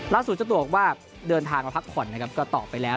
ล่าสู่จะตวกว่าเดินทางมาพักข่อนนะครับก็ต่อไปแล้ว